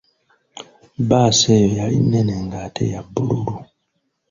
Bbaasi eyo yali nnene nga ate ya bululu.